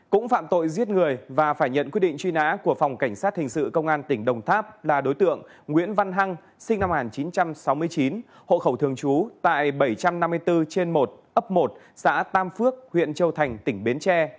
cũng phạm tội giết người và phải nhận quyết định truy nã của phòng cảnh sát hình sự công an tỉnh đồng tháp là đối tượng nguyễn văn hăng sinh năm một nghìn chín trăm sáu mươi chín hộ khẩu thường trú tại bảy trăm năm mươi bốn trên một ấp một xã tam phước huyện châu thành tỉnh bến tre